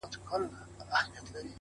پوهه د انسان لید ژوروي’